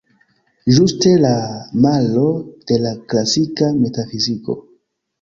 Ĝuste la malo de la klasika metafiziko.